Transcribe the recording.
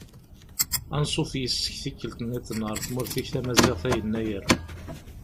Ansuf yis-k tikkelt-nniḍen ɣer tmurt-ik tamaziɣt a Yennayer.